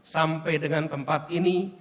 sampai dengan tempat ini